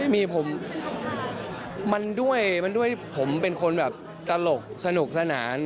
มีผมมันด้วยมันด้วยผมเป็นคนแบบตลกสนุกสนาน